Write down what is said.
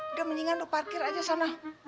udah mendingan lu parkir aja sana